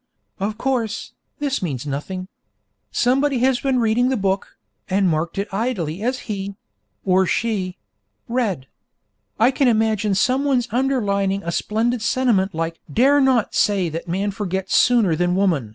Of course, this means nothing. Somebody has been reading the book, and marked it idly as he (or she) read. I can imagine someone's underlining a splendid sentiment like 'Dare not say that man forgets sooner than woman!'